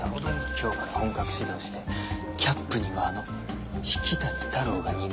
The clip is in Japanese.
今日から本格始動してキャップにはあの引谷太郎が任命されたとか。